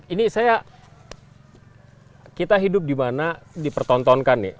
ini saya kita hidup dimana dipertontonkan nih